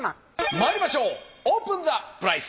まいりましょうオープンザプライス。